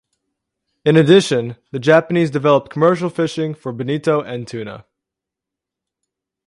In addition, the Japanese developed commercial fishing for bonito and tuna.